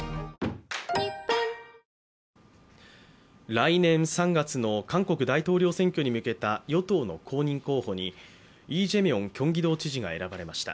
来年３月の韓国大統領選挙に向けた与党の公認候補にイ・ジェミョンキョンギド知事が選ばれました。